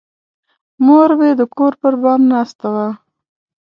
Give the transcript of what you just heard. مور مې د کور پر بام ناسته وه.